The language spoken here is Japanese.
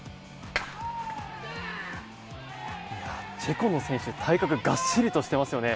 チェコの選手、体格がっしりとしていますよね。